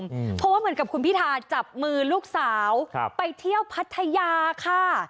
เพราะว่าเหมือนกับคุณพิธาจับมือลูกสาวครับไปเที่ยวพัทยาค่ะ